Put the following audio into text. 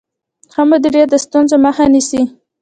ښه مدیریت د ستونزو مخه نیسي.